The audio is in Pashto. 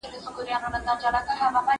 هم په عمر يمه مشر هم سردار يم